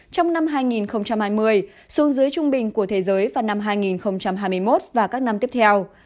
trong năm hai nghìn hai mươi xuống dưới trung bình của thế giới vào năm hai nghìn hai mươi một và các năm tiếp theo